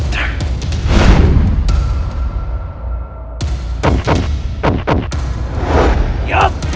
kau tidak tahu